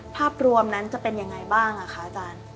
ภาพรวมนั้นจะเป็นยังไงบ้างคะอาจารย์